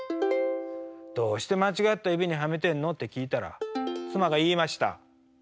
どうして間違った指にはめてんの？って聞いたら妻が言いました。